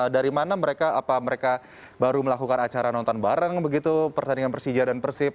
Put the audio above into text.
dari mana mereka apa mereka baru melakukan acara nonton bareng begitu pertandingan persija dan persib